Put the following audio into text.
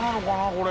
これ」